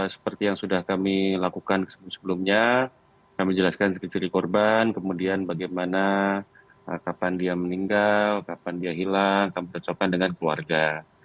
seperti yang sudah kami lakukan sebelumnya kami jelaskan ciri ciri korban kemudian bagaimana kapan dia meninggal kapan dia hilang kami cocokkan dengan keluarga